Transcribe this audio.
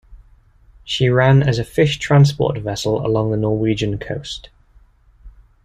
She ran as a fish transport vessel along the Norwegian coast.